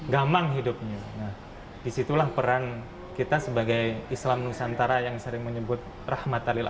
gamang hidupnya nah disitulah peran kita sebagai islam nusantara yang sering menyebut rahmat talil